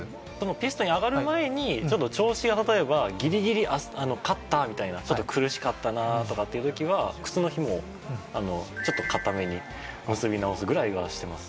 ピストに上がる前にちょっと調子が例えばギリギリ勝ったみたいなちょっと苦しかったなとかっていうときは靴の紐をちょっと固めに結び直すぐらいはしてます